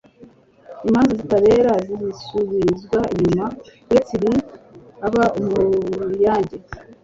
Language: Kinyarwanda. "Imanza zitabera zisubizwa inyuma. Uretse ibibi aba umuruyage"